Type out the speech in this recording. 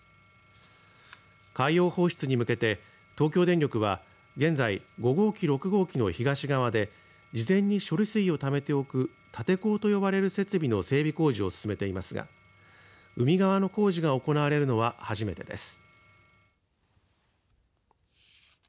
海洋放出に向けて東京電力は現在、５号機、６号機の東側で事前に処理水をためておく立て坑と呼ばれる設備の整備工事を進めていますが海側の工事が行われるのは初めてです。